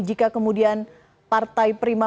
jika kemudian partai prima